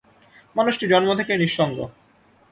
মানুষটি জন্ম থেকেই নিঃসঙ্গ।